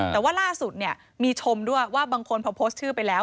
แต่ว่าล่าสุดเนี่ยมีชมด้วยว่าบางคนพอโพสต์ชื่อไปแล้ว